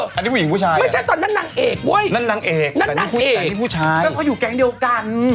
อันนี้ผู้หญิงหรือผู้ชายเหรออย่างนั้นนางเอกเพราะว่าอยู่แกงเดียวกัน